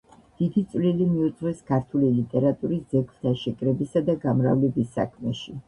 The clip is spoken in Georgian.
დიდი წვლილი მიუძღვის ქართული ლიტერატურის ძეგლთა შეკრებისა და გამრავლების საქმეში.